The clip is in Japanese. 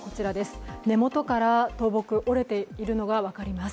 根元から折れているのが分かります。